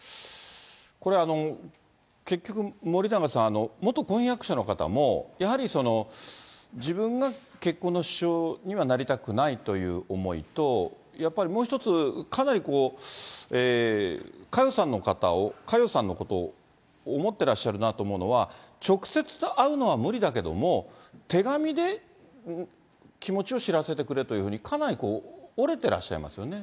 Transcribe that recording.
これ、結局、森永さん、元婚約者の方も、やはりその、自分が結婚の支障にはなりたくないという思いと、やっぱりもう一つ、かなり、佳代さんのことを思ってらっしゃるなと思うのは、直接会うのは無理だけれども、手紙で気持ちを知らせてくれというふうに、かなり折れてらっしゃいますよね。